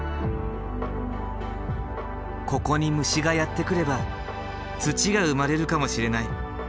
ここに虫がやって来れば土が生まれるかもしれない。